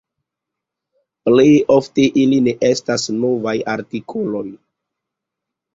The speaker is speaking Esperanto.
Plej ofte ili ne estas novaj artikoloj.